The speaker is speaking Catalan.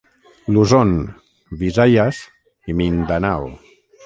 Luzon, Visayas i Mindanao.